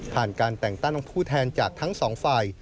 การแต่งตั้งผู้แทนจากทั้งสองฝ่าย